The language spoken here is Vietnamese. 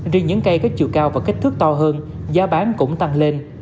riêng những cây có chiều cao và kích thước to hơn giá bán cũng tăng lên